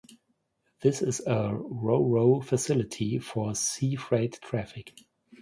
This is a ro-ro facility for sea freight traffic.